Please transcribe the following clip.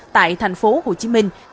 tại thành phố hồ chí minh